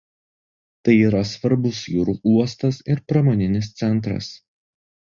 Tai yra svarbus jūrų uostas ir pramoninis centras.